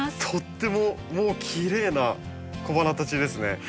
とってももうきれいな小花たちですね。